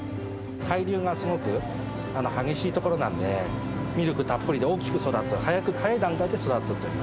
海流がすごく激しい所なんで、ミルクたっぷりで大きく育つ、早い段階で育つという。